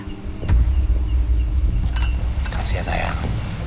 makasih ya sayang